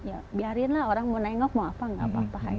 ya biarin lah orang mau nengok mau apa nggak apa apa